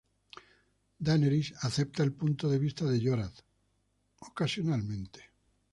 Daenerys acepta el punto de vista de Jorah, eventualmente.